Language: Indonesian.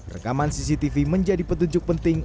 rekaman cctv menjadi petunjuk penting